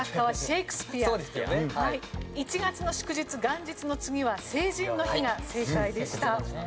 １月の祝日元日の次は成人の日が正解でした。